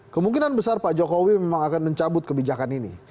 kemungkinan besar pak jokowi memang akan mencabut kebijakan ini